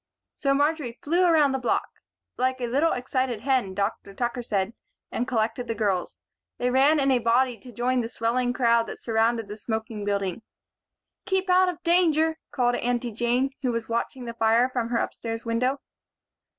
So Marjory flew around the block like a little excited hen, Dr. Tucker said and collected the girls. They ran in a body to join the swelling crowd that surrounded the smoking building. "Keep back out of danger," called Aunty Jane, who was watching the fire from her upstairs window.